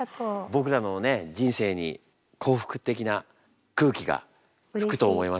僕らの人生に幸福的な空気が吹くと思います。